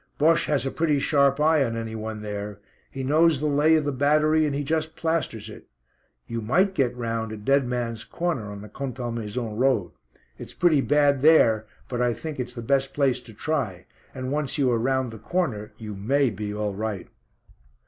Bosche has a pretty sharp eye on anyone there; he knows the lay of the battery and he just plasters it. You might get round at 'Dead Man's Corner,' on the Contalmaison Road. It's pretty bad there, but I think it's the best place to try, and once you are round the corner you may be all right."